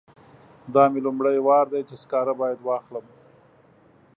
دا مې لومړی وار دی چې سکاره باید واخلم.